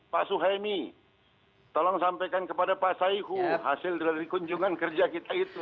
pak suhaimi tolong sampaikan kepada pak saihu hasil dari kunjungan kerja kita itu